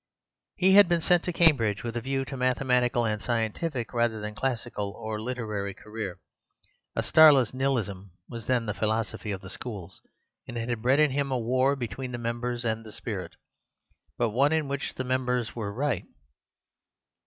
"He had been sent to Cambridge with a view to a mathematical and scientific, rather than a classical or literary, career. A starless nihilism was then the philosophy of the schools; and it bred in him a war between the members and the spirit, but one in which the members were right.